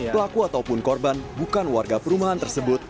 pelaku ataupun korban bukan warga perumahan tersebut